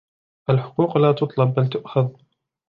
الحقوق لا تُطلب بل تؤخذ.